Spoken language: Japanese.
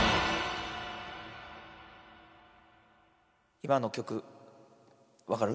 今の曲分かる？